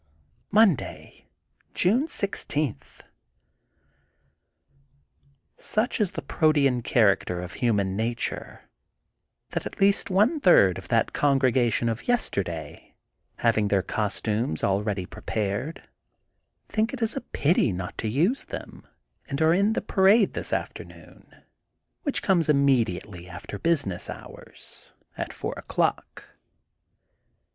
Monday, June 16: — Such is the protean character of human nature that at least one third of that congregation of* yesterday, hav ing their costumes already prepared, think it is a pity not to use them^ and are in the pa THE GOLDEN BOOK OF SPRINGFIELD 208 rade this afternoon, which comes immediately after business hours, at four o'clock.